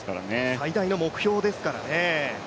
最大の目標ですからね。